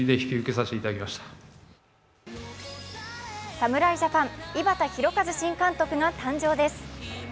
侍ジャパン、井端弘和新監督が誕生です。